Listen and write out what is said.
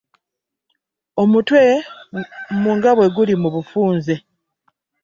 Omutwe mu nga bwe guli bufunze.